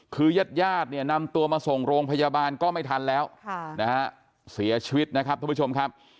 คือยาดนำตัวมาส่งโรงพยาบาลก็ไม่ทันแล้วนะฮะเสียชีวิตนะครับทุกผู้ชมครับ